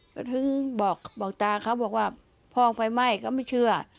ก็ถึงบอกตาเขาบอกว่าพ่อไฟไหม้ก็ไม่เชื่อ